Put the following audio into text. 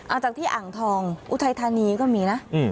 เอาจากที่อ่างทองอุทัยธานีก็มีนะ